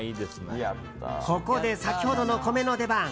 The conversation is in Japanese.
ここで、先ほどの米の出番。